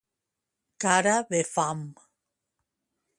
Cara de fam.